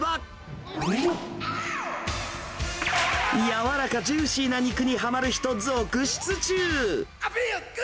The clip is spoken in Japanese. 柔らかジューシーな肉にはまる人続出中。